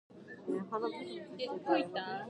Hedin also built the station's first transmitter.